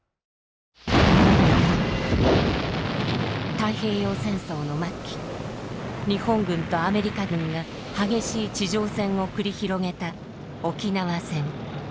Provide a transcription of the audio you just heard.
太平洋戦争の末期日本軍とアメリカ軍が激しい地上戦を繰り広げた沖縄戦。